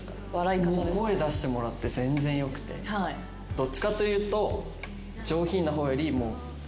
どっちかというと。